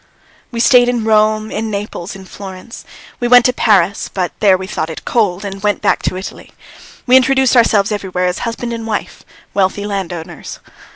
We stayed in Rome, in Naples, in Florence; we went to Paris, but there we thought it cold and went back to Italy. We introduced ourselves everywhere as husband and wife, wealthy landowners.